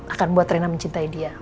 akan buat reina mencintai dia